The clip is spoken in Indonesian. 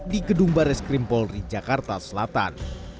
di kedung baris krimpolri jakarta selatan